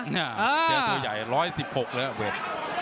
อ่าเจอตัวใหญ่ร้อยสิบหกแล้วอ่ะเวฟ